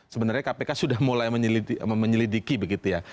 sebenarnya kpk sudah mulai menyelidiki begitu ya